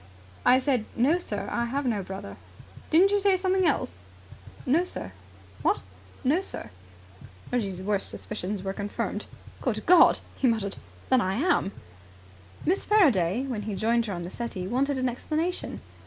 "I said, 'No, sir, I have no brother'." "Didn't you say something else?" "No, sir." "What?" "No, sir." Reggie's worst suspicions were confirmed. "Good God!" he muttered. "Then I am!" Miss Faraday, when he joined her on the settee, wanted an explanation.